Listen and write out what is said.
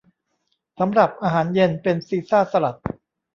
สำหรับอาหารเย็นเป็นซีซ่าสลัด